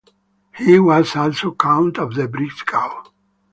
He was also count of the Breisgau.